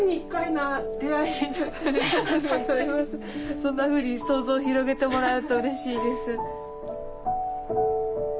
そんなふうに想像を広げてもらうとうれしいです。